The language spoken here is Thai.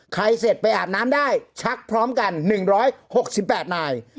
เสร็จไปอาบน้ำได้ชักพร้อมกัน๑๖๘นาย